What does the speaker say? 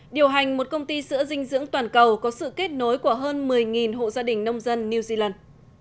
điều hành một công ty sữa dinh dưỡng toàn cầu có sự kết nối của hơn một mươi hộ gia đình nông dân new zealand